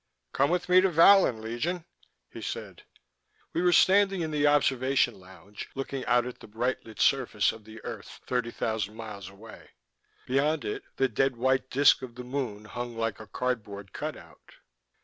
"Come with me to Vallon, Legion," he said. We were standing in the observation lounge, looking out at the bright lit surface of the earth thirty thousand miles away. Beyond it, the dead white disk of the moon hung like a cardboard cutout.